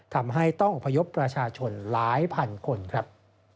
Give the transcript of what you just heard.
ทำให้ต้องอพยพประชาชนหลายพันคนครับ